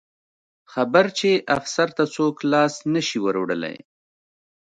خبر چې افسر ته څوک لاس نه شي وروړلی.